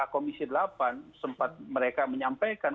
komisi delapan sempat menyampaikan